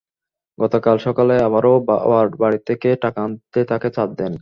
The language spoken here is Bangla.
গতকাল সকালে আবারও বাবার বাড়ি থেকে টাকা আনতে তাঁকে চাপ দেন।